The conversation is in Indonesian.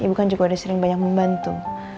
ibu kan juga ada sering banyak membantu